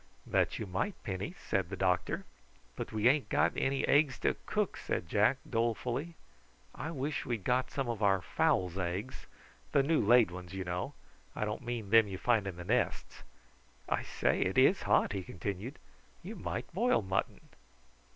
"That you might, Penny," said the doctor. "But we ain't got any eggs to cook," said Jack dolefully. "I wish we'd got some of our fowls' eggs the new laid ones, you know. I don't mean them you find in the nests. I say, it is hot," he continued. "You might boil mutton."